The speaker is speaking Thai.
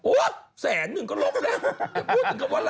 อุ๊ะแสนหนึ่งก็ลบแหล่ะ